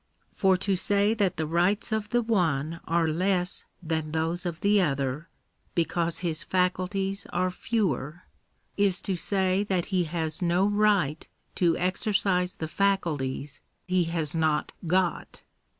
For, to say that the rights of the (me are less than those of the other, because his faculties are fewer, is to say that he has no right to exercise the faculties he has not got